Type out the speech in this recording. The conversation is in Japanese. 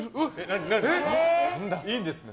いいんですね？